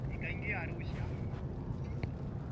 Jacob alimwambia kuwa amekuja nazo zipo kwenye gari atampatia